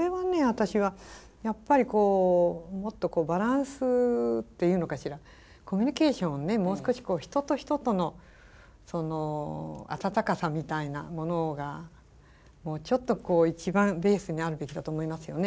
私はやっぱりもっとバランスっていうのかしらコミュニケーションをもう少し人と人との温かさみたいなものがもうちょっとこう一番ベースにあるべきだと思いますよね。